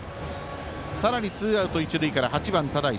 さらにツーアウト、一塁から８番、只石。